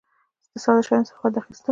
د ساده شیانو څخه خوند اخیستل.